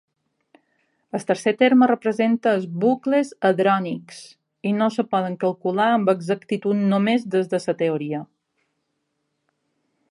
El tercer terme representa els bucles hadrònics, i no es poden calcular amb exactitud només des de la teoria.